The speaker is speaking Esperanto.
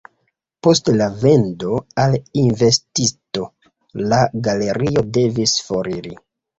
Post la vendo al invenstisto la galerio devis foriri.